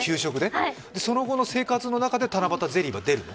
その後の生活の中で七夕ゼリーは出るの？